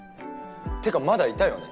ってかまだいたよね？